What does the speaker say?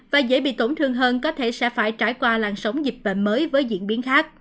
và dễ bị tổn thương hơn có thể sẽ phải trải qua làn sóng dịch bệnh mới với diễn biến khác